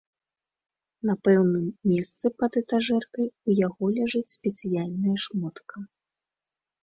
На пэўным месцы пад этажэркай у яго ляжыць спецыяльная шмотка.